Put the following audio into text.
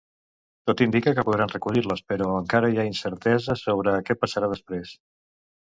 Tot indica que podran recollir-les, però encara hi ha incertesa sobre què passarà després.